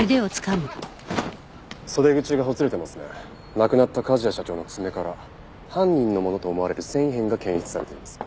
亡くなった梶谷社長の爪から犯人のものと思われる繊維片が検出されています。